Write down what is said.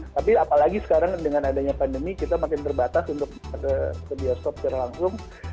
tapi apalagi sekarang dengan adanya pandemi kita makin terbatas untuk ke bioskop secara langsung